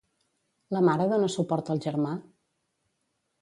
La mare dona suport al germà?